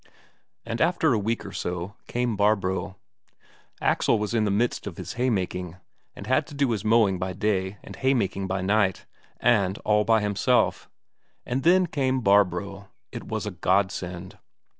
And after a week or so, came Barbro. Axel was in the midst of his haymaking, and had to do his mowing by day and haymaking by night, and all by himself and then came Barbro! It was a godsend.